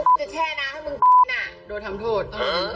จะแช่นะถ้าเมื่อกี้น่ะโดดทำโทษ